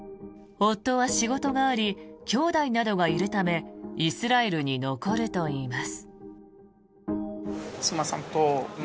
夫は仕事があり兄弟などがいるためイスラエルに残るといいます。